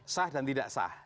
sah dan tidak sah